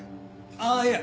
ああいや